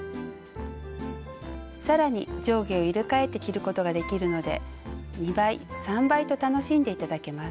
さらに上下を入れ替えて着ることができるので２倍３倍と楽しんでいただけます。